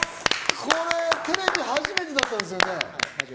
これがテレビ初めてだったんですよね？